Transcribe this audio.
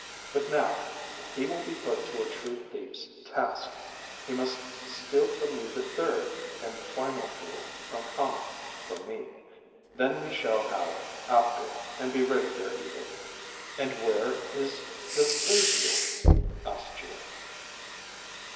But now, he will be put to a true thief's task. He must steal for me the third and final jewel from Hama for me. Then we shall have Aptor, and be rid of their evil." "And where is this third jewel?" asked Geo.